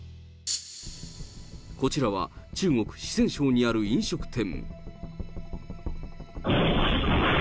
こちらは、中国・四川省にある飲食店。